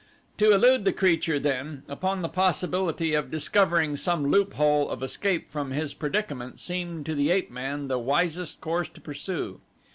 To elude the creature, then, upon the possibility of discovering some loophole of escape from his predicament seemed to the ape man the wisest course to pursue.